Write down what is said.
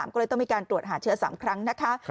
ก็เลยต้องมีการตรวจหาเชื้อ๓ครั้งนะคะ